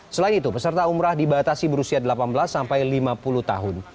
selain itu peserta umrah dibatasi berusia delapan belas sampai lima puluh tahun